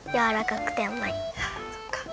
そっか。